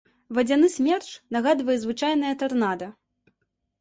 Вадзяны смерч нагадвае звычайнае тарнада.